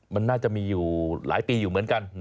มันน่าจะมีอยู่หลายปีอยู่เหมือนกัน